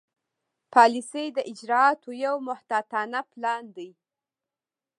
پالیسي د اجرااتو یو محتاطانه پلان دی.